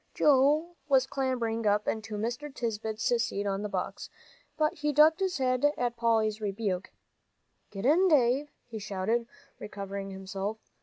Joel was clambering up into Mr. Tisbett's seat on the box, but he ducked his head at Polly's rebuke. "Get in, Dave," he shouted, recovering himself.